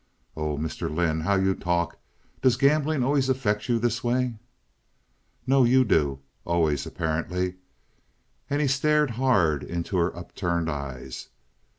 "Oh, Mr. Lynde! How you talk! Does gambling always affect you this way?" "No, you do. Always, apparently!" And he stared hard into her upturned eyes.